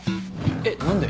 えっ何で？